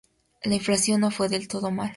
La inflación no fue del todo mal.